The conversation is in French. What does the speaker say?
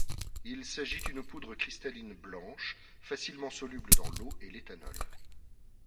Il s'agit d'une poudre cristalline blanche, facilement soluble dans l'eau et l'éthanol.